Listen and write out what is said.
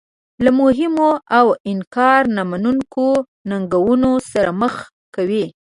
له مهمو او انکار نه منونکو ننګونو سره مخ کوي.